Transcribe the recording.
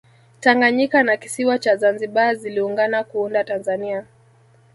tanganyika na kisiwa cha zanzibar ziliungana kuunda tanzania